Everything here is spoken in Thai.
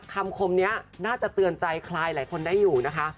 คมนี้น่าจะเตือนใจใครหลายคนได้อยู่นะคะ